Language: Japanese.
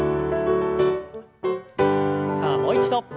さあもう一度。